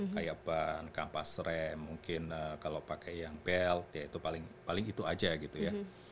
kayak ban kampas rem mungkin kalau pakai yang belt ya itu paling itu aja gitu ya